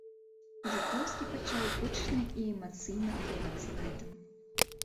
Жукоўскі пачаў гучна і эмацыйна абурацца гэтым.